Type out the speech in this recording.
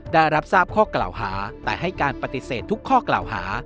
ได้รับทราบข้อกล่าวหาแต่ให้การปฏิเสธทุกข้อกล่าวหา